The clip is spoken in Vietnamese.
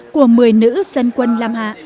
của một mươi nữ dân quân lam hạ